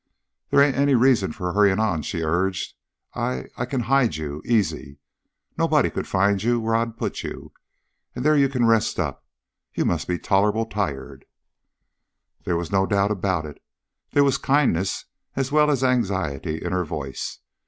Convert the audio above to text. "They ain't any reason for hurrying on," she urged. "I I can hide you, easy. Nobody could find where I'll put you, and there you can rest up. You must be tolerable tired." There was no doubt about it. There was kindness as well as anxiety in her voice.